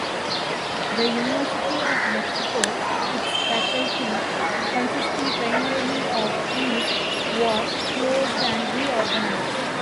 The University of Mexico, its faculty consisting primarily of priests, was closed and reorganized.